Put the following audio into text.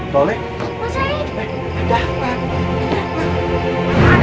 toleh mas haid